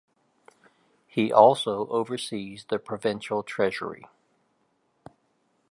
He also oversees the Provincial Treasury.